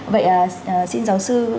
vậy xin giáo sư